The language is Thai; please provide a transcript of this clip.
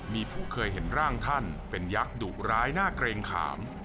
มีผู้เคยเห็นร่างท่านเป็นยักษ์ดุร้ายน่าเกรงขาม